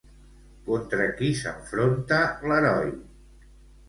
Contra qui s'enfronta l'heroi?